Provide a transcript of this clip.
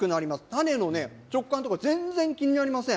種のね食感とか全然気になりません